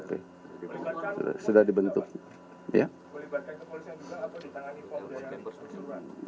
boleh dibatalkan ke polisi yang juga atau ditangani polisi yang bersuruhan